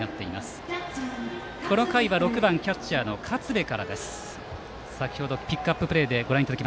立正大淞南の攻撃、この回は６番キャッチャーの勝部からです。